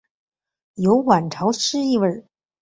有晚唐诗意味。